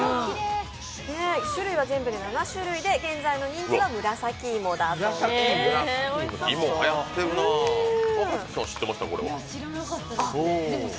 種類は全部で７種類で、現在の人気は紫芋だそうです。